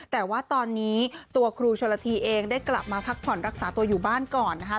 แต่ว่าตอนนี้ตัวครูชนละทีเองได้กลับมาพักผ่อนรักษาตัวอยู่บ้านก่อนนะคะ